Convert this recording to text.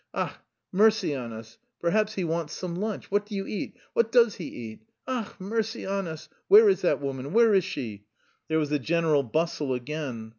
Ach, mercy on us, perhaps he wants some lunch! What do you eat? What does he eat? Ach, mercy on us! Where is that woman? Where is she?" There was a general bustle again.